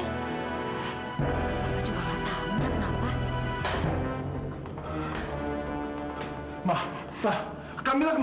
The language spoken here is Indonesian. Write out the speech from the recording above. eh mbak juga gak tau ya kenapa